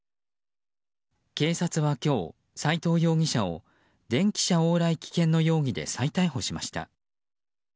警察は今日、斉藤容疑者を電汽車往来危険の容疑で再逮捕しました。